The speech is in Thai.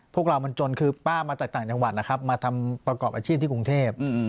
พวกเรามันจนคือป้ามาจากต่างจังหวัดนะครับมาทำประกอบอาชีพที่กรุงเทพ